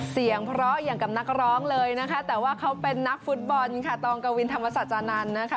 เสียงเพราะอย่างกับนักร้องเลยนะคะแต่ว่าเขาเป็นนักฟุตบอลค่ะตองกวินธรรมศาจานันทร์นะคะ